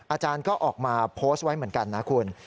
อาจารย์ก็ออกมาโพสต์ไว้เหมือนกันนะคุณ